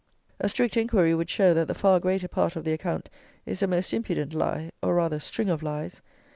A strict inquiry would show that the far greater part of the account is a most impudent lie, or, rather, string of lies.